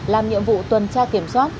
làm nhiệm vụ tuần tra kiểm soát